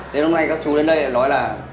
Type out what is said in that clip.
tới hôm nay các chú đến đây là nói là